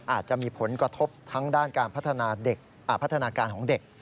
อาจจะมีผลกระทบทั้งด้านการพัฒนาการของเด็ก